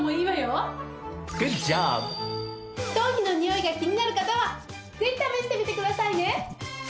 頭皮のニオイが気になる方はぜひ試してみてくださいね！